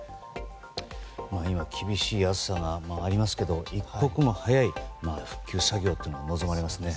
今、厳しい暑さもありますけど一刻も早い復旧作業が望まれますね。